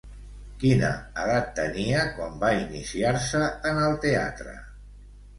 Quina edat tenia quan va iniciar-se en el teatre?